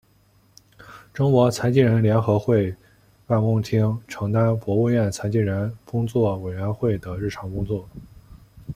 中国残疾人联合会办公厅承担国务院残疾人工作委员会的日常工作。